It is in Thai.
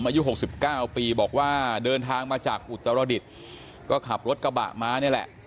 อายุ๖๙ปีบอกว่าเดินทางมาจากอุตรดิษฐ์ก็ขับรถกระบะมานี่แหละ